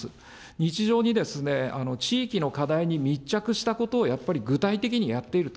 日常に、地域の課題に密着したことをやっぱり具体的にやっていると。